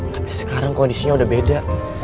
tapi sekarang kondisinya udah beda